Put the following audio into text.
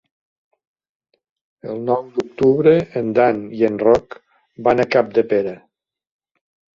El nou d'octubre en Dan i en Roc van a Capdepera.